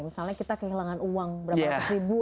misalnya kita kehilangan uang berapa ratus ribu